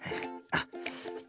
あっ。